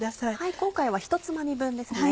今回は一つまみ分ですね。